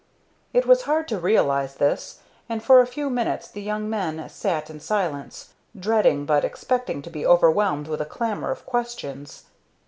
It was hard to realize this, and for a few minutes the young men sat in silence, dreading but expecting to be overwhelmed with a clamor of questions.